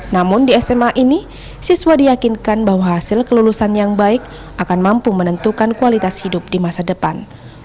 namun di sma ini siswa diyakinkan bahwa hasil kelulusan yang baik akan mampu menentukan kualitas hidup di masa depan